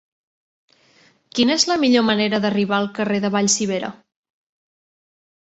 Quina és la millor manera d'arribar al carrer de Vallcivera?